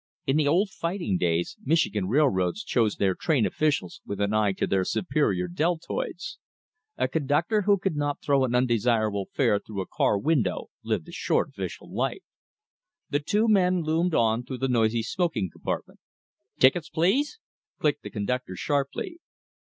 In the old fighting days Michigan railroads chose their train officials with an eye to their superior deltoids. A conductor who could not throw an undesirable fare through a car window lived a short official life. The two men loomed on the noisy smoking compartment. "Tickets, please!" clicked the conductor sharply.